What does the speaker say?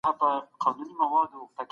هغوی په کائناتو کي نوي حقايق لټوي.